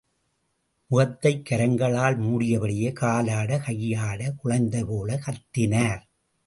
முகத்தைக் கரங்களால் மூடியபடியே காலாட, கையாட குழந்தைபோலக் கத்தினார்.